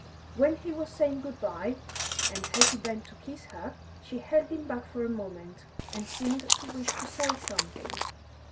When he was saying good bye, and as he bent to kiss her, she held him back for a moment, and seemed to wish to say something.